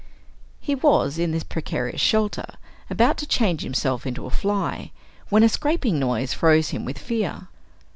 He was, in this precarious shelter, about to change himself into a fly, when a scraping noise froze him with fear.